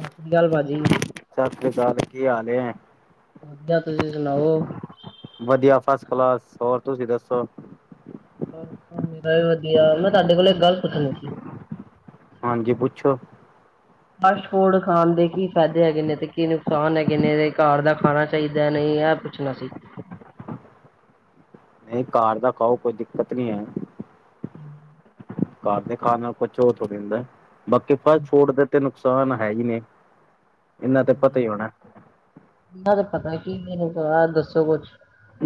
ਸਤਿ ਸ੍ਰੀ ਅਕਾਲ ਭਾਜੀ ਚੱਕ ਕੀ ਹਾਲ ਏ? ਵਧੀਆ ਤੁਸੀਂ ਸੁਣਾਓ? ਵਧੀਆ ਫਸਟ ਕਲਾਸ ਹੋਰ ਤੁਸੀਂ ਦੱਸੋ? [unintelligible] ਵਧੀਆ, ਮੈਂ ਤੁਹਾਡੇ ਕੋਲੋਂ ਇੱਕ ਗੱਲ ਪੁੱਛਣੀ ਸੀ? ਹਾਂਜੀ ਪੁੱਛੋ। ਫਾਸਟ ਫੂਡ ਖਾਣ ਦੇ ਕੀ ਫਾਇਦੇ ਹੈਗੇ ਨੇ? ਤੇ ਕੀ ਨੁਕਸਾਨ ਹੈਗੇ ਨੇ? ਘਰ ਦਾ ਖਾਣਾ ਚਾਹੀਦਾ? ਨਹੀਂ ਇਹ ਪੁੱਛਣਾ ਸੀ। ਨਹੀਂ ਘਰ ਦਾ ਖਾਓ। ਕੋਈ ਦਿੱਕਤ ਨਹੀਂ ਹੈ। [inaudible] ਘਰਦੇ ਖਾਣ ਨਾਲ ਕੁਛ ਥੋੜੀ ਹੁੰਦਾ, ਬਾਕੀ ਫਾਸਟ ਫੂਡ ਦੇ ਤੈਨੂੰ ਨੁਕਸਾਨ ਹੈ ਹੀ ਨੇ, ਇਹਨਾਂ ਤੇ ਪਤਾ ਈ ਹੋਣਾ ਇਹਨਾਂ ਦਾ ਪਤਾ ਕੀ ਨੀਂ ਮੈਨੂੰ, ਪਰ ਦੱਸੋ ਕੁਛ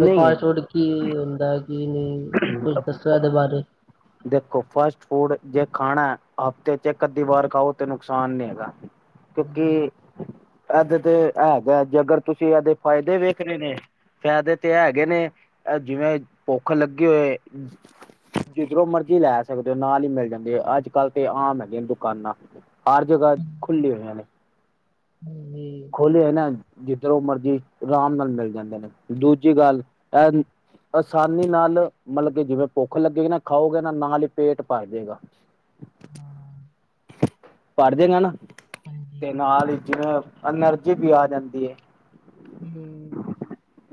ਵੀ ਫਾਸਟ ਫੂੜ ਕੀ ਹੁੰਦਾ? ਕੀ ਨਹੀਂ ਕੁੱਝ ਦੱਸੋ ਇਹਦੇ ਬਾਰੇ ਦੇਖੋ, ਫਾਸਟ ਫੂਡ ਜੇ ਖਾਣਾ ਹਫ਼ਤੇ ਚ ਇੱਕ ਅੱਧੀ ਵਾਰ ਖਾਓ, ਤੇ ਨੁਕਸਾਨ ਨੀ ਹੈਗਾ। ਕਿਉਂਕਿ [unintelligible] ਇਹਦੇ ਤੇ ਹੈਗਾ ਜੇ ਅਗਰ ਤੁਸੀਂ ਇਹਦੇ ਫਾਇਦੇ ਵੇਖ ਰ ਨੇ। ਫਾਇਦੇ ਤੇ ਹੈਗੇ ਨੇ ਜਿਵੇਂ, ਭੁੱਖ ਲੱਗੀ ਹੋਏ ਜਿਧਰੋਂ ਮਰਜੀ ਲੈ ਸਕਦੇ ਹੋ, ਨਾਲ ਹੀ ਮਿਲ ਜਾਂਦੀ ਹੈ, ਅੱਜ ਕੱਲ੍ਹ ਤੇ ਆਮ ਹੈਗੇ ਨੇ ਦੁਕਾਨਾਂ। ਹਰ ਜਗ੍ਹਾ ਖੁੱਲ ਹੋਇਆ ਨੇ। ਖੋਲੇ ਹੈ ਨਾ। ਜਿੱਧਰ ਉਹ ਮਰਜ਼ੀ ਆਰਾਮ ਨਾਲ ਮਿਲ ਜਾਂਦੇ ਨੇ, ਦੂਜੀ ਗੱਲ ਇਹ ਆਸਾਨੀ ਨਾਲ, ਮਤਲਬ ਕਿ ਜਿਵੇਂ ਭੁੱਖ ਲੱਗੇਗੀ ਨਾ, ਖਾਓਗੇ ਨਾ ਨਾਲ ਹੀ ਨਾ ਪੇਟ ਭਰ ਜਾਵੇਗਾ। ਹਾਂ ਪੜ੍ਹਦੇ ਹਨ ਨਾ, ਹਾਂਜੀ ਤੇ ਨਾਲ ਹੀ ਜਿਵੇਂ ਅਨਰਜੀ ਵੀ ਆ ਜਾਂਦੀ ਹੈ। ਹਮ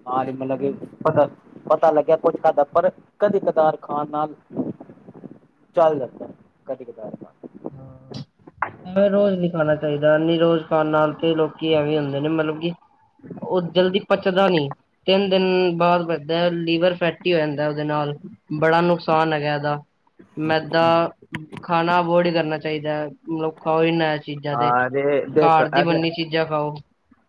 ਹਾਰੀ ਮਤਲਬ। ਕਿ ਪਤਾ ਲੱਗਿਆ ਕੁਝ ਕਰਦਾ। ਪਰ ਕਦੇ ਕਦਾਰ ਖਾਨ ਨਾਲ। ਚੱਲ ਜਾਦਾ, ਕਦੀ ਕਦਾਰ ਹਾਂ। ਐਵੇਂ ਰੋਜ਼ ਨੀ ਖਾਣਾ ਚਾਹੀਦਾ, ਨੀ ਰੋਜ਼ ਖਾਣ ਨਾਲ ਤੇ ਲੋਕੀ ਐਵੇਂ ਹੁੰਦੇ ਨੇ ਮਤਲਬ ਕਿ ਉਹ ਜਲਦੀ ਪਚਦਾ ਨੀ, ਤਿੰਨ ਦਿਨ ਬਾਅਦ ਪਚਦਾ, ਲੀਵਰ ਫੈਟੀ ਹੋ ਜਾਂਦਾ। ਉਹਦੇ ਨਾਲ ਬੜਾ ਨੁਕਸਾਨ ਹੈਗਾ ਇਹਦਾ, ਮੈਂਦਾ ਖਾਣਾ ਬੜੀ ਕਰਨਾ ਚਾਹੀਦਾ, ਮਤਲਬ ਖਾਓ ਹੀ ਨਾ ਏ ਚੀਜ਼ਾਂ ਤੇ ਹਾਂ ਘਰ ਦੀ ਬੰਨੀ ਚੀਜ਼ਾਂ ਖਾਓ।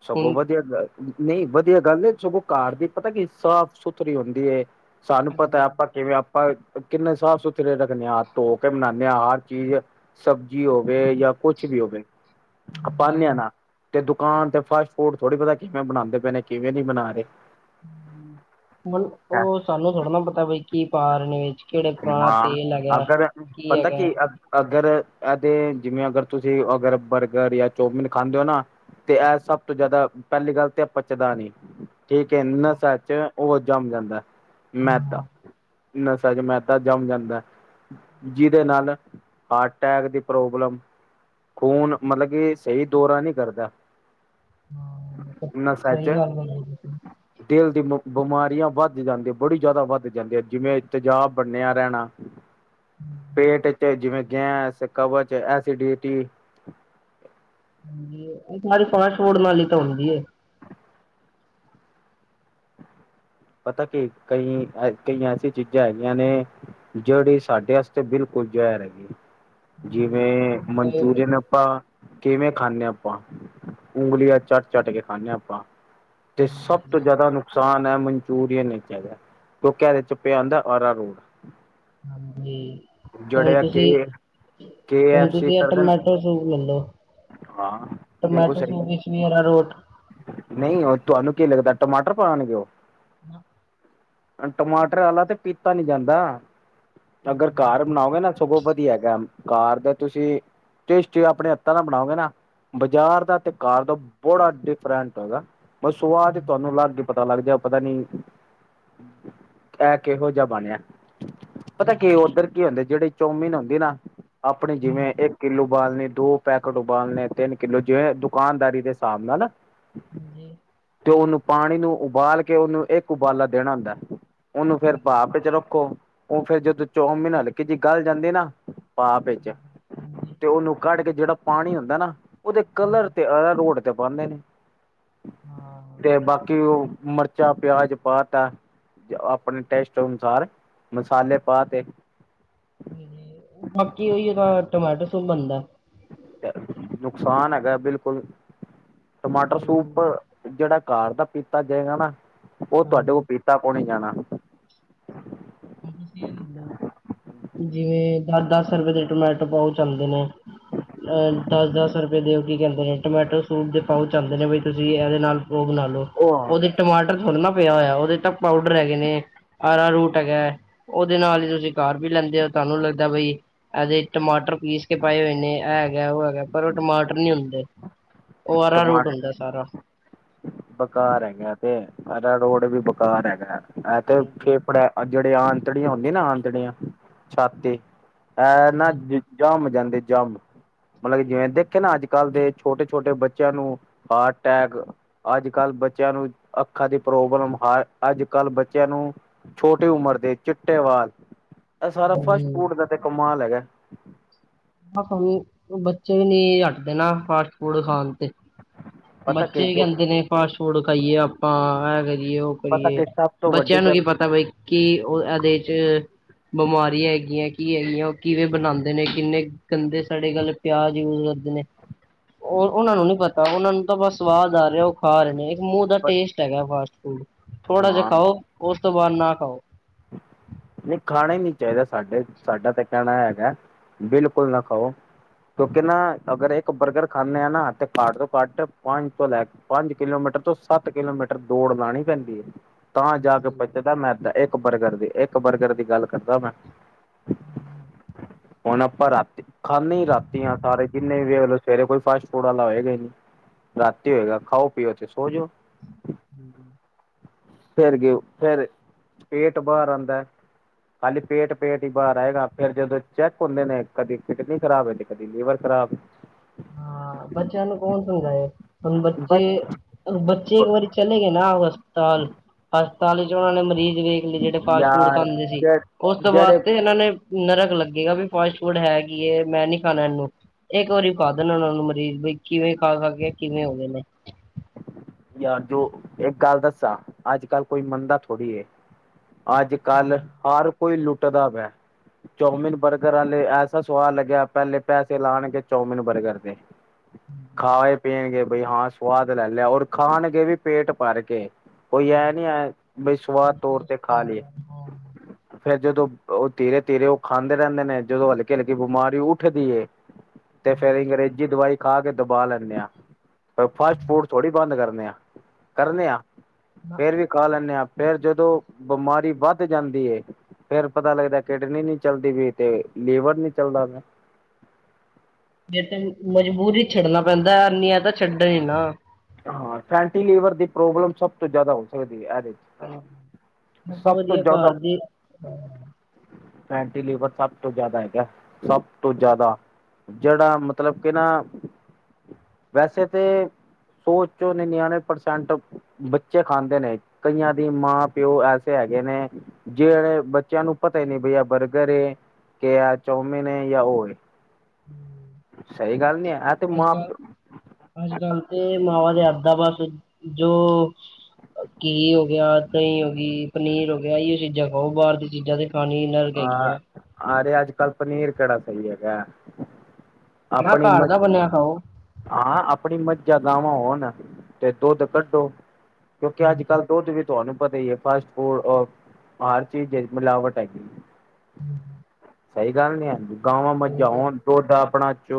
ਸੱਗੋ ਹੁਣ ਵਧੀਆ ਹੈ ਨਹੀਂ ਵਧੀਆ ਗੱਲ ਏ, ਸਗੋਂ ਘਰ ਦੀ ਪਤਾ ਕੀ ਸਾਫ਼ ਸੁਥਰੀ ਹੁੰਦੀ ਹੈ। ਸਾਨੂੰ ਪਤਾ, ਹਾਂਜੀ ਆਪਾਂ ਕਿਵੇਂ ਆਪ ਆਪਾਂ ਕਿੰਨੇ ਸਾਫ਼ ਸੁਥਰੇ ਰੱਖਦੇ ਹਾਂ, ਹਾਥ ਧੋ ਕੇ ਬਨਾਦੇ ਹਾਂ ਹਰ ਚੀਜ਼, ਜਿਵੇਂ ਸਬਜ਼ੀ ਹੋਵੇ ਜਾਂ ਕੁਛ ਵੀ ਹੋਵੇ, ਤੇ ਆਣੇ ਹਾ ਨਾ, ਤੇ ਦੁਕਾਨ ਤੇ ਫਾਸਟ ਫੂਡ ਥੋੜ੍ਹੀ ਪਤਾ ਕਿਵੇਂ ਬਣਾਉਂਦੇ ਪਏ ਨਏ ਨੇ? ਕਿਵੇਂ ਨੀ ਬਣਾ ਰਹੇ? ਉਹ ਸਾਨੂੰ ਥੋੜਾ ਨਾ ਪਤਾ ਬਈ ਕੀ ਪਾ ਰਹੇ ਨੇ ਵਿੱਚ। ਕਿਹੜੇ ਪੁਰਾਣਾ ਮਾਂ ਤੇਲ ਹੈਗਾ ਅਗਰ ਪਤਾ ਕੀ ਅ ਅਗਰ ਜਿਵੇਂ ਅਗਰ ਤੁਸੀਂ ਅਗਰ ਬਰਗਰ ਜਾਂ ਚੋਮਿਨ ਖਾਂਦੇ ਹੋ ਨਾ ਤੇ ਇਹ ਸਭ ਤੋਂ ਜਿਆਦਾ ਪਹਿਲੀ ਗੱਲ ਤੇ ਪਚਦਾ ਨੀ, ਠੀਕ ਹੈ, ਨੱਸਾ ਚ ਉਹ ਜੰਮ ਜਾਂਦਾ, ਮੈਦਾ ਨਸ਼ਾ ਚ ਮੈਦਾ ਜੰਮ ਜਾਂਦਾ ਹੈ, ਜਿਹਦੇ ਨਾਲ ਹਾਰਟ ਅਟੈਕ ਦੀ ਪ੍ਰੋਬਲਮ, ਖ਼ੂਨ ਮਤਲਬ ਕਿ ਸਹੀ ਦੌਰਾ ਨਹੀਂ ਕਰਦਾ। ਹਾਂ, ਨਸਾਂ ਸਹੀ ਚ ਗੱਲ ਆ। ਦਿਲ ਦੀ ਬਿਮਾਰੀਆਂ ਵੱਧ ਜਾਂਦੀ, ਬੜੀ ਜ਼ਿਆਦਾ ਵੱਧ ਜਾਂਦੀ ਹੈ, ਜਿਵੇਂ ਤੇਜ਼ਾਬ ਬੰਨਿਆ ਰਹਿਣਾ, ਪੇਟ ਚ ਜਿਵੇਂ। ਗੈਸ ਕਵਜ ਐਸਿਡੀਿਟੀ। ਹਾਂ ਇਹ ਸਾਰੀ ਫਾਸਟ ਫੂਡ ਨਾਲ ਹੀ ਤਾਂ ਹੁੰਦੀ। ਪਤਾ ਕੀ ਕਈ ਕਈ ਐਸੀ ਚੀਜ਼ਾਂ ਹੈਗੀਆਂ ਨੇ ਜਿਹੜੀ ਸਾਡੇ ਵਾਸਤੇ ਬਿਲਕੁਲ ਕੁਝ ਜੈਰ ਹੈਗੇ, ਹਮ ਜਿਵੇਂ ਤੇ ਮਨਚੂਰੀਅਨ ਆਪਾਂ ਕਿਵੇਂ ਖਾਂਦੇ ਹਾਂ ਆਪਾਂ ਉਂਗਲੀਆਂ ਚੱਟ ਚੱਟ ਕੇ ਖਾਂਦੇ ਹਾਂ ਆਪਾਂ। ਤੇ ਸਭ ਤੋਂ ਜਿਆਦਾ ਨੁਕਸਾਨ ਹੈ। ਚਰੀ ਨ ਕਿਆ ਤੇ ਚੁੱਪਿਆ ਆਉਂਦਾ ਆ ਰੋੜ ਹਾਂਜੀ ਹੁਣ ਤੁਸੀਂ। ਕੇ ਕੇ ਹੁਣ ਐਫ ਸੀ ਤੁਸੀਂ ਆ ਕਰਦੇ ਨੇ। ਟਮਾਟੋ ਸੂਪ ਲੈਲੋ। ਹਾਂ ਬਿਲਕੁਲ ਟਮੈਟੋ ਸਹੀ ਗੱਲ। ਸਸ਼ਰਾ ਰੋਟ ਨਹੀਂ ਉਹ ਤੁਹਾਨੂੰ ਕੀ ਲੱਗਦਾ ਟਮਾਟਰ ਪਾਉਣਗੇ ਉਹ? ਨਾ। ਟਮਾਟਰ ਵਾਲਾ ਤੇ ਪੀਤਾ ਨੀ ਜਾਂਦਾ। ਅਗਰ ਕਾਰ ਬਣਾਓਗੇ ਨਾ ਸਗੋਂ ਵਧੀਆ ਹੈਗਾ ਕਾਰ ਦਾ ਤੁਸੀਂ। ਟੇਸਟੀ ਆਪਣੇ ਹੱਥਾਂ ਦਾ ਬਣਾਓਗੇ ਨਾ ਬਾਜ਼ਾਰ ਦਾ ਅਤੇ ਕਾਰ ਦਾ ਬੜਾ ਡਿਫਰੈਂਟ ਹੋਗਾ। ਬਸ ਉਹ ਆਹ ਚ ਤੁਹਾਨੂੰ ਲੱਗ ਗ ਪਤਾ ਲੱਗ ਜਾ ਪਤਾ ਨੀ। [inaudible] ਕ ਕੇਹੋ ਜਿਹਾ ਬਣਿਆ। ਪਤਾ ਕੀ ਉੱਧਰ ਕੀ ਹੁੰਦੇ ਜਿਹੜੀ ਚੋਮੀਨ ਹੁੰਦੀ ਨਾ ਆਪਣੀ ਜਿਵੇਂ ਇੱਕ ਕਿੱਲੋ ਉਬਾਲਣੀ ਦੋ ਪੈਕੇਟ ਉਬਾਲਣੇ ਤਿੰਨ ਕਿੱਲੋ ਜਿਵੇਂ ਦੁਕਾਨਦਾਰੀ ਦੇ ਹਿਸਾਬ ਨਾਲ। ਨਾ ਨਾ। ਹਾਂਜੀ। ਪਾਣੀ ਨੂੰ ਉਬਾਲ ਕੇ ਉਹਨੂੰ ਇੱਕ ਉਬਾਲਾ ਦੇਣਾ ਹੁੰਦਾ ਹੈ। ਉਹਨੂੰ ਫੇਰ ਬਾਪ ਚ ਰੱਖੋ ਉਹ ਫੇਰ ਜਦੋਂ ਚੌ ਮਹੀ ਨਾਲ ਲਕੀ ਜਿ ਗੱਲ ਜਾਂਦੀ ਨਾ ਪਾ ਵਿੱਚ ਤੇ ਉਹਨੂੰ ਕੱਢ ਕੇ ਜਿਹੜਾ ਪਾਣੀ ਹੁੰਦਾ ਨਾ ਉਹਦੇ ਕਲਰ ਤੇ ਆ ਰੋਡ ਪਾਂਦੇ ਨੇ ਹਾਂ, ਤੇ ਬਾਕੀ ਉਹ ਮਿਰਚਾਂ ਪਿਆਜ ਪਾ ਤਾ ਆਪਣੇ ਟੇਸਟ ਅਨੁਸਾਰ ਮਸਾਲੇ ਪਾ ਤੇ ਬਾਕੀ ਉਹੀ ਤਾਂ ਟਮਾਟਰੋ ਸੂਪ ਬਣਦਾ। ਨੁਕਸਾਨ ਹੈਗਾ ਬਿਲਕੁਲ ਟਮਾਟਰ ਸੂਪ ਹੂੰ, ਜਿਹੜਾ ਘ ਦਾ ਪੀਤਾ ਜਾਏਗਾ ਨਾ ਉਹ ਤੁਹਾਡੇ ਕੋਲ ਹਾਂਜੀ। ਪੀਤਾ ਕੌਣ ਜਾਣਾ। ਤੁਸੀ ਜਿਵੇਂ ਦ ਦਸ ਰੁਪਏ ਦੇ ਟਮੈ ਬਹਚ ਆਉਂਦੇ ਨੇ ਅਹ ਦਸ ਦਸ ਰੁਪਏ ਦਿਓ ਕੀ ਕਹਿੰਦੇ ਨੇ ਟਮੈਟੋ ਸੂਟ ਦੇ ਪਾਓ ਚ ਆਦੇ ਨੇ ਬ ਤੁਸੀਂ ਇਹਦੇ ਨਾਲ ਉਹ ਬਣਾ ਲੋ ਉਹ ਉਹਦੇ ਟਮਾਟਰ ਥੋੜੇ ਨਾ ਪਿਆ ਹੋਇਆ ਉਹਦੇ ਤਾਂ ਪਾਊਡਰ ਹੈਗੇ ਨੇ ਆਰਾ ਰੂਟ ਉਹਦੇ ਨਾਲ ਹੀ ਤੁਸੀਂ ਘਰ ਵੀ ਲੈਂਦੇ ਹੋ ਤੁਹਾਨੂੰ ਲੱਗਦਾ ਬਈ ਇਹਦੇ ਟਮਾਟਰ ਪੀਸ ਕੇ ਪ [inaudible] ਉਹ ਹੈਗਾ ਪਰ ਉਹ ਟਮਾਟਰ ਨੀ ਹੁੰਦੇ ਉਹ ਆਰਾ ਟਮਾ ਰੂਟ ਹੁੰਦਾ ਸਾਰਾ। ਬੇਕਾਰ ਹੈਗਾ ਤੇ ਸਾ ਰੋਡ ਵੀ ਬੇਕਾਰ ਹੈਗਾ। ਆ ਤੇ ਹਾਂਜੀ ਫੇਫੜੇ ਜਿਹੜੇ ਆਂਤੜੀਆਂ ਹੁੰਦੀਆਂ ਨਾ ਆਂਤੜੀਆਂ ਛਾਤੀ ਤੇ- ਹੈ ਨਾ ਹਾਂਜੀ ਜਮ ਜਾਂਦੇ ਜਮ। ਮਤਲਬ ਕਿ ਜਿਵੇਂ ਦੇਖੇ ਨਾ ਅੱਜ ਕੱਲ੍ਹ ਦੇ ਛੋਟੇ ਛੋਟੇ ਬੱਚਿਆਂ ਨੂੰ ਹਾਰਟ ਅਟੈਕ ਅੱਜ ਕੱਲ ਬੱਚਿਆਂ ਨੂੰ ਅੱਖਾਂ ਦੀ ਪ੍ਰੋਬਲਮ ਹ ਅੱਜ ਕੱਲ ਬੱਚਿਆਂ ਨੂੰ ਛੋਟੀ ਉਮਰ ਚਿੱਟੇ ਵਾਲ ਇਹ ਸਾਰਾ ਫਸਟ ਹਾਂਜੀ ਫੂਡ ਦਾ ਤੇ ਕਮਾਲ ਹੈਗਾ। ਬੱਚੇ ਵੀ ਨਹੀਂ ਹਟਦੇ ਨਾ ਫਾਸਟ ਫੂਡ ਖਾਣ ਤੇ ਪਤਾ ਕਿ ਬੱਚੇ ਵੀ ਜੋ ਕਹਿੰਦੇ ਨੇ ਫਾਸਟ ਫੂਡ ਖਾਈਏ ਆਪਾਂ ਇਹ ਕਰੀਏ ਉਹ ਪਤਾ ਕਰੀਏ ਕਿ ਸਭ ਤੋਂ ਬੱਚਿਆਂ ਵੱਡੀ ਨੂੰ ਕੀ ਗੱਲ ਪਤਾ ਵੀ ਕਿ ਉਹ ਇਹਦੇ ਚ ਬਿਮਾਰੀਆਂ ਹੈਗੀਆਂ ਕੀ ਹੈਗੀ ਆ ਉਹ ਕਿਵੇਂ ਬਣਾਉਂਦੇ ਨੇ ਕਿੰਨੇ ਗੰਦੇ ਸਾਡੇ ਗੱਲ ਪਿਆਜ ਯੂਜ ਕਰਦੇ ਨੇ। ਉਹ ਉਹਨਾਂ ਨੂੰ ਨੀ ਪਤਾ ਉਹਨਾਂ ਨੂੰ ਆਪਾਂ ਸਵਾਦ ਆ ਰਿਹਾ ਉਹ ਖਾ ਰਹੇ ਨੇ ਇੱਕ ਮੂੰਹ ਦਾ ਪ- ਟੇਸਟ ਹੈਗਾ ਫਾਸਟ ਫੂਡ ਥੋੜਾ ਜਿਹਾ ਹਾਂ ਖਾਓ ਉਸ ਤੋਂ ਬਾਹਦ ਨਾ ਕਰੋ। ਨੀ ਖਾਣਾ ਹੀ ਨਹੀਂ ਚਾਹੀਦਾ ਸਾਡੇ ਸਾਡਾ ਤਾਂ ਓਕੇ ਨਾ ਅਗਰ ਇੱਕ ਪਰਕਰ ਖਾਨੇ ਆ ਨਾ ਤੇ ਪਾਟ ਤੋ ਪੱਟ ਪੰਜ ਤੋਂ ਤੋਂ ਸੱਤ ਕਿਲੋਮੀਟਰ ਦੋੜ ਲਾਣੀ ਪੈਂਦੀ ਹ ਤਾਂ ਜਾ ਕੇ ਹਾਂਜੀ ਪੁੱਛਦਾ ਮੈਂ ਪਰ ਕਰਦੇ [unintelligible] ਇੱਕ ਬਰਗਰ ਦੀ ਗੱਲ ਕਰਦਾ ਮੈਂ ਕੋਈ ਅਵਾਜ਼ ਨਹੀਂ ਹੁਣ ਆਪਾਂ ਰਾਤ ਖਾਨੇ ਰਾਤੀ ਆ ਸਾਰੇ ਜਿੰਨੇ ਵੀ ਵੇਖ ਲਓ ਸਵੇਰੇ ਕੋਈ ਫਾਸਫੂਡ ਆਲਾ ਹੋਇਗਾ ਹੀ ਰਾਤੀ ਹੋਏਗਾ ਖਾਓ ਪੀ ਉਥੇ ਸੋ ਜਉ। ਹੂੰ ਫਿਰ ਗਏ ਫਿਰ ਪੇਟ ਬਾਹਰ ਆਂਦਾ। ਹਾਲੇ ਪੇਟ ਪੇਟ ਹੀ ਬਾਹਰ ਆਏਗਾ ਫਿਰ ਜਦੋਂ ਚੈੱਕ ਹੁੰਦੇ ਨੇ ਕਦੀ ਕਿਡਨੀ ਖਰਾਬ ਹ ਤੇ ਕਦੀ ਲੀਵਰ ਸਭ ਆ ਬੱਚਿਆਂ ਨੂੰ ਕੌਣ ਸਮਝਾਏ। ਹੁਣ ਬੱਚੇ ਬਸ -ਬੱਚੇ ਇਕ ਵਾਰ ਚਲੇ ਗਏ ਨਾ। ਹਵਸਥਾਲ ਹਸਪਤਾਲ 'ਚ ਉਹਨਾਂ ਨੇ ਮਰੀਜ਼ ਵੇਖ ਲਏ ਜਿਹੜੇ ਫਾਸਫੂਡ ਯਾਰ ਖਾਂਦੇ ਸੀ ਜ ਉਸ ਤੋਂ ਜਿਹੜੇ ਬਾਅਦ ਤੇ ਇਹਨਾਂ ਨੇ ਨਰਕ ਲੱਗੇਗਾ ਵੀ ਫਾਸਫੂਡ ਹੈ ਕੀ ਹ ਮੈਂ ਨਹੀਂ ਖਾਣਾ ਇਹਨੂੰ ਇਕ ਵਾਰੀ ਸਾਧਨ ਮਰੀਜ਼ ਦੇਖੀ ਹੋਏ ਖਾ ਸਕਦੇ ਕਿਵੇਂ ਹੋ ਗਏ ਨੇ। ਯਾਰ ਜੋ ਇੱਕ ਗੱਲ ਦੱਸਾ ਅੱਜਕੱਲ ਕੋਈ ਮੰਨਦਾ ਥੋੜੀ ਏ। ਅੱਜ ਕੱਲ ਹਰ ਕੋਈ ਲੁੱਟਦਾ ਪਿਆ। ਚੋਮਿਨ ਬਰਗਰ ਆਲੇ ਐਸਾ ਸਵਾਦ ਲੱਗਿਆ ਪਹਿਲੇ ਪੈਸੇ ਲਾਣ ਕੇ ਚੋਮਿਨ ਬਰਗਰ ਤੇ ਹਾਂ ਇਹ ਪੀਣ ਗੇ ਬਈ ਹਾਂ ਸਵਾਦ ਲੈ ਲਿਆ ਔਰ ਖਾਣ ਕੇ ਵੀ ਪੇਟ ਭਰ ਕੇ ਕੋਈ ਐ ਨਹੀਂ ਸਵਾਦ ਤੌਰ ਤੇ ਖਾ ਲੇ ਫੇਰ ਜਦੋਂ ਉਹ ਧੀਰੇ -ਧੀਰੇ ਉਹ ਖਾਂਦੇ ਰਹਿੰਦੇ ਨੇ ਜਦੋਂ ਹਲਕੇ -ਹਲਕੇ ਬਿਮਾਰੀ ਉੱਠਦੀ ਏ। ਤੇ ਫਿਰ ਅੰਗਰੇਜ਼ੀ ਦਵਾਈ ਖਾ ਕੇ ਦਬਾ ਲੈਂਣੇ ਆ ਫਸਟ ਫੂਡ ਥੋੜੀ ਬੰਦ ਕਰਨੇ ਆ -ਕਰਨੇ ਆ ਫਿਰ ਵੀ ਖਾ ਲੈਣੇ ਆ ਫਿਰ ਜਦੋਂ ਬਿਮਾਰੀ ਵੱਧ ਜਾਂਦੀ ਏ। ਫਿਰ ਪਤਾ ਲੱਗਦਾ ਕਿਡਨੀ ਨਹੀਂ ਚੱਲਦੀ ਵੀ ਤੇ ਲੇਬਰ ਨਹੀਂ ਚੱਲਦਾ ਮਜਬੂਰੀ ਚੜਨਾ ਪੈਂਦਾ ਅਰਨੀਆਂ ਤਾਂ ਛੱਡਣਾ ਹੀ ਹਾਂ ਫੈਂਟੀ ਲੀਵਰ ਦੀ ਪ੍ਰੋਬਲਮ ਸਭ ਤੋਂ ਜਿਆਦਾ ਸਕ ਹਾਂ, [inaudible] ਇਸ ਸਭ ਤੋਂ ਵਧੀਆ ਜਿਆਦਾ ਘਰ ਦੀ ਫੈਟੀ ਲੀਵਰ ਸਭ ਤੋਂ ਜਿਆਦਾ ਹੈਗਾ ਸਭ ਤੋਂ ਜਿਆਦਾ ਜਿਹੜਾ ਮਤਲਬ ਕਿ ਨਾ ਵੈਸੇ ਤੇ ਸੋਚੋ ਨਿਆਣੇ ਪਰਸੈਂਟ ਬੱਚੇ ਖਾਂਦੇ ਨੇ ਕਈਆਂ ਦੀ ਮਾਂ ਪਿਓ ਐਸੇ ਜਿਹੜੇ ਬੱਚਿਆਂ ਨੂੰ ਪਤਾ ਹੀ ਨਹੀਂ ਬਈ ਬਰਗਰ ਏ। ਕਿ ਇਹ ਚੋਮਿਨ ਏ ਜਾ ਉਹ ਏ। ਸਹੀ ਗੱਲ ਨੀ ਇਹ ਤੇ ਅੱਜ ਮਾਂ ਕੱਲ -ਅੱਜ ਕੱਲ ਤੇ ਨਾਲ ਜਾਂਦਾ ਬਸ ਜੋ ਕੀ ਹੋ ਗਿਆ ਦਹੀ ਹੋਗੀ ਪਨੀਰ ਹੋ ਗਿਆ ਇਹ ਚੀਜ਼ਾਂ ਖਾਓ ਬਾਹਰ ਦੀਆਂ ਚੀਜ਼ਾਂ ਤੇ ਖਾਣੀ ਨਰਕ ਹੈਗੀ ਹੈ। ਆ ਰਿਹਾ ਅੱਜ ਕੱਲ ਪਨੀਰ ਕਿਹੜਾ ਸਹੀ ਹੈਗਾ। ਨਾ ਆਪਣੀ ਘਰ ਮ ਦਾ ਬਣਿਆ ਖਾਓ। ਹਾਂ ਆਪਣੀ ਮ ਜਾਂ ਗਾਵਾਂ ਹੋਣ ਤੇ ਤੂੰ ਤੇ ਕੱਢੋ ਕਿਉਂਕਿ ਅੱਜ ਕੱਲ ਦੁੱਧ ਵੀ ਤੁਹਾਨੂੰ ਪਤਾ ਹੀ ਹ ਫਾਸਟਫੂਡ ਹਰ ਚੀਜ ਮਿਲਾਵਟ ਹੈਗੀ ਏ। [inaudible] ਸਹੀ ਗੱਲ ਨਹੀਂ ਗਾਵਾਂ ਮੱਝਾਂ ਹੋਣ ਦੁਧ ਆਪਣਾ [unintelligible]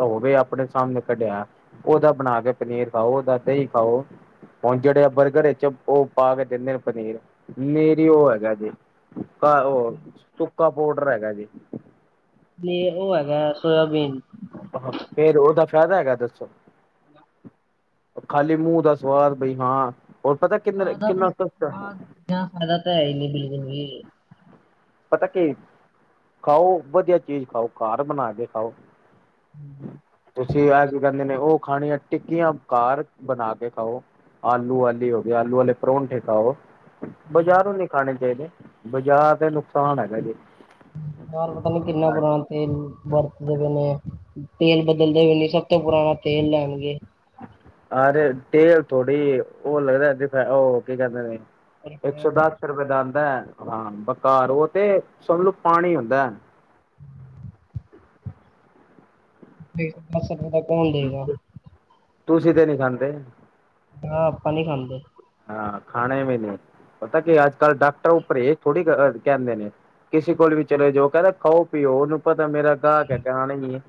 ਹੋਵੇ ਆਪਣੇ ਸਾਹਮਣੇ ਕੱਢਿਆ ਉਹਦਾ ਬਣਾ ਕੇ ਪਨੀਰ ਖਾਓ ਉਹਦਾ ਦਹੀ ਖਾਉ। ਹੁਣ ਜਿਹੜੇ ਅਪਰ ਘਰੇ 'ਚ ਉਹ ਪਾ ਕੇ ਦਿੰਦੇ ਆ ਪਨੀਰ ਨਰੀਓ ਹੈਗਾ ਜੇ ਸੁੱਕਾ ਓ ਸੁਕਾ ਪਾਊਡਰ ਹੈਗਾ ਜੇ। ਤੇ ਉਹ ਹੈਗਾ। ਸੋਇਆਬੀਨ ਫੇਰ ਉਹਦਾ ਫੈਹਦਾ ਹੈਗਾ ਦੱਸੋ ਖਾਲੀ ਮੂੰਹ ਦਾ ਸਵਾਦ ਬਈ ਹਾਂ। ਹੋਰ ਪਤਾ ਕਿੰਨਾ ਫਾਇਦਾ ਕਿੰਨਾ ਸਸਤਾ ਫਾਇਦਾ ਤਾਂ ਹੈ ਨਹੀਂ ਬਿਲਕੁਲ ਵੀ ਪਤਾ ਕੀ ਖਾਓ ਵਧੀਆ ਚੀਜ਼ ਖਾਓ ਘਰ ਬਣਾ ਕੇ ਖਾਓ। ਤੁਸੀਂ ਅੱਜ ਗੱਲ ਕਿੰਦੇ ਨੇ ਉਹ ਖਾਣੀਆਂ ਟਿੱਕੀਆਂ ਕਾਰ ਬਣਾ ਕੇ ਖਾਓ। ਆਲੂ ਵਾਲੀ ਹੋ ਗਈ ਆਲੂ ਵਾਲੇ ਪਰੌਂਠੇ ਖਾਉ। ਬਾਜ਼ਾਰ ਨੂੰ ਨੀ ਖਾਣੇ ਚਾਹੀਦੇ ਬਾਜ਼ਾਰ ਦਾ ਨੁਕਸਾਨ ਹੈਗਾ ਜੇ ਯਾਰ ਪਤਾ ਨ ਕਿੰਨਾ ਪੁਰਾਣਾ ਤੇਲ ਵਰਤਦੇ ਪਣੇ ਤੇਲ ਬਦਲਦੇ ਵੀ ਨ ਸਭ ਤੋਂ ਪੁਰਾਣਾ ਤੇਲ ਲੈਣਗੇ ਆਰੇ ਤੇਲ ਥੋੜੀ ਉਹ ਲੱਗਦਾ ਉਹ ਕੀ ਕਹਿੰਦੇ ਨੇ ਇੱਕ ਸੌ ਦਸ ਰੁਪਏ ਦਉਦਾ ਹਾਂ ਬਕਾਰ ਉਹ ਤੇ ਸਮਲੋ ਪਾਣੀ ਹੁੰਦਾ ਦਸ ਰੁਪਏ ਦਾ ਕੌਣ ਦੇਗਾ ਤੁਸੀਂ ਤੇ ਨਹੀਂ ਖਾਂਦੇ ਹਾਂ ਆਪਾਂ ਨਹੀਂ ਖਾਂਦੇ ਹਾਂ ਖਾਣੇ ਵੀ ਨਹੀਂ ਪਤਾ ਕੀ ਅੱਜ ਕੱਲ੍ਹ ਡਾਕਟਰ ਉੱਪਰ ਥੋੜੀ ਕਹਿੰਦੇ ਨੇ ਕਿਸੇ ਕੋਲ ਵੀ ਚਲੇੋ ਜੋ ਕਹਿੰਦਾ ਖਾਓ ਪੀਓ ਉਹਨੂੰ ਪਤਾ ਮੇਰਾ ਗਾਹਕ ਹੈ ਗਾਣਾ ਹੀ ਹੈ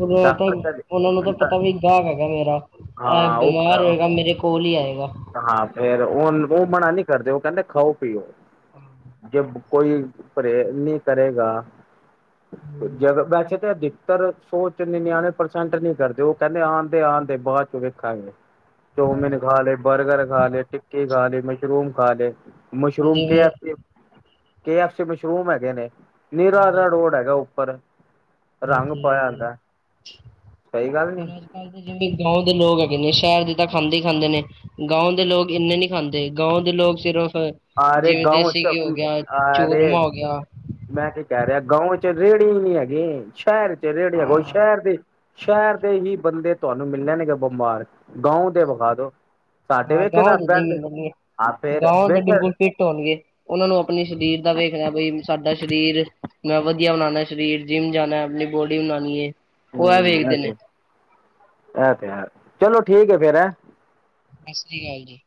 ਮੈਂ ਤਾਂ ਡਾਕਟਰ ਉਹਨਾ ਨੂੰ ਤਾਂ ਕਦੇ ਡ ਪਤਾ ਵੀ ਗਾਹਕ ਹੈਗਾ ਮੇਰਾ ਹਾਂ ਉਹ ਬਿਮਾਰ ਹੋਏਗਾ ਮੇਰੇ ਕੋਲ ਹੀ ਆਏਗਾ ਹਾਂ ਫੇਰ ਉਹ ਉਹ ਮਨਾ ਨਹੀਂ ਕਰਦੇ ਉਹ ਕਹਿੰਦੇ ਖਾਓ ਪੀਓ ਜੇ ਕੋਈ ਪ੍ਰੇ ਨਹੀਂ ਕਰੇਗਾ। ਅਧਿਕਤਰ ਸੋ ਚ ਨਿਨਿਆਣੇ ਪ੍ਰਸੈਂਟ ਨੀ ਕਰਦੇ ਉਹ ਕਹਿੰਦੇ ਆਉਦੇ ਆਉਂਦੇ ਬਾਅਦ ਚ ਵੇਖਾਂਗੇ। ਚੋਮਿਨ ਖਾ ਲੈ ਬਰਗਰ ਖਾ ਲੈ ਟਿੱਕੀ ਖਾ ਲ ਮਸ਼ਰੂਮ ਖਾ ਲ ਮਸ਼ਰੂਮ ਕੇ ਜਿਵੇਂ ਕੇ ਐਫ ਸੀ ਮਸ਼ਰੂਮ ਹੈਗੇ ਨੇ ਨੀਰਾ ਹਾਂਜੀ ਰੋਡ ਹੈਗਾ ਉੱਪਰ ਰੰਗ ਪਾਇਆ ਹਾਂਜੀ ਹੁੰਦਾ ਸਹੀ ਗੱਲ ਨੀ ਹੁਣ ਅੱਜ ਕੱਲ੍ਹ ਦੇ ਜਿਵੇਂ ਗਾ ਦੇ ਲੋਕ ਹੈ ਹੈਗੇ ਨੇ ਸ਼ਹਿਰ ਦੇ ਤਾਂ ਖਾਂਦੇ ਹੀ ਖਾਂਦੇ ਨੇ ਗਾਉਂ ਦੇ ਲੋਕ ਇੰਨੇ ਨੀ ਖਾਂਦੇ ਗਾਓ ਦੇ ਲੋਕ ਸਿਰ ਅਰੇ ਗਾਓ ਚ ਆਰੇ ਚੂਰਮਾ ਹੋ ਗਿਆ ਮੈਂ ਕੀ ਕਹਿ ਰਿਹਾ ਗਾਂਓ ਰੇੜੀ ਵੀ ਨਹੀਂ ਹੈਗੀ ਸ਼ਹਿਰ ਚ ਏ ਰੇੜੀ ਦੇਖੋ ਸ਼ਹਿਰ ਦੇਹੀ ਬੰਦੇ ਤੁਹਾਨੂੰ ਮਿਲਣੇ ਨੇਗੇ ਬਿਮਾਰ ਗਾਊ ਦੇ ਵਿਖਾ ਦੋ। ਸਾਡੇ ਹਾਂ ਵੇਖ ਗਾਉ ਨਾ ਦੇ ਜਿੰਮ ਵਧੀਆ ਗਾਉ ਦੇ [unintelligible] ਬਿਲਕੁਲ ਫਿੱਟ ਹੋਣਗੇ ਉਹਨਾਂ ਨੂੰ ਆਪਣੇ ਸਰੀਰ ਦਾ ਵੇਖਣਾ ਬਈ ਸਾਡਾ ਸਰੀਰ ਮੈਂ ਵਧੀਆ ਬਨਾਨਾ ਸ਼ਰੀਰ। ਜਿੰਮ ਜਾਣਾ ਆਪਣੀ ਬੋਡੀ ਬਣਾਣੀ ਹੈ ਉਹ ਏਹ ਹੂੰ ਵੇਖਦੇ ਇਹ ਤੇ ਨੇ। ਇਹ ਤੇ ਹੈ ਚਲੋ ਠੀਕ ਹੈ ਫੇਰ ਹੈ। ਸਸ ਸ੍ਰੀ ਕਾਲ ਜੀ।